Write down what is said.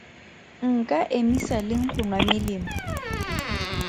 Nka emisa leng go nwa melemo?